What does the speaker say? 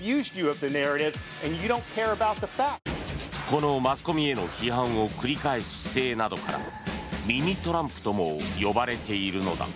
このマスコミへの批判を繰り返す姿勢などからミニトランプとも呼ばれているのだ。